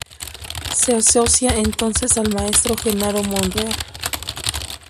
Se asocia entonces al maestro Genaro Monreal.